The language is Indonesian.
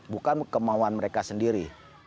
bukan kemauan mereka sendiri